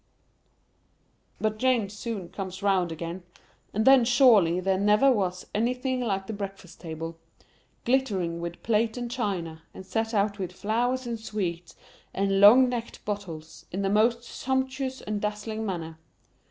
But Jane soon comes round again, and then surely there never was anything like the breakfast table, glittering with plate and china, and set out with flowers and sweets, and long necked bottles, in the most sumptuous and dazzling manner.